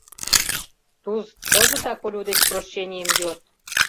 — Туз, кызытак Олю деч прощенийым йод!